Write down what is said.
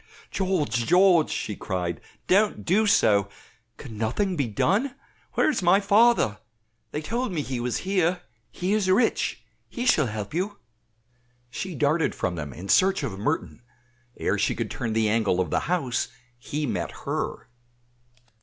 "George, George!" she cried, "don't do so. Can nothing be done? Where is my father? they told me he was here. He is rich, he shall help you." She darted from them in search of Merton; ere she could turn the angle of the house he met her.